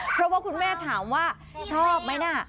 เพราะว่าคุณแม่ถามว่าชอบไหมนะ